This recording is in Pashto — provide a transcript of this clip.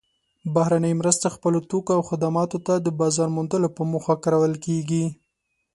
بهرنۍ مرستې خپلو توکو او خدماتو ته د بازار موندلو په موخه کارول کیږي.